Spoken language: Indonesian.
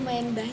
gak ada apa apa